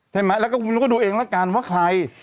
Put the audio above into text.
เราก็ดูเองนะคะว่าใคร